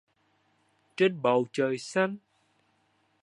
Trên bầu trời xanh